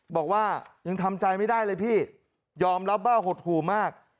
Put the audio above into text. บอกว่ายังทำใจไม่ได้เลยพี่ยอมรับว่าหดหู่มาก